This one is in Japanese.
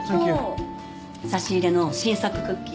と差し入れの新作クッキー。